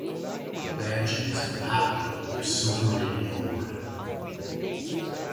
The Banshees gave Hatlo their Siliver Lady Award.